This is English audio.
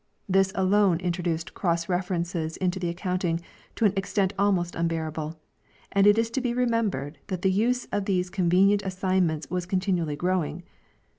This alone introduced cross references into the ac counting to an extent almost unbearable ; and it is to be remembered that the use of these convenient assignments was continually growing.